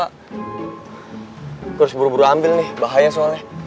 gue harus buru buru ambil nih bahaya soalnya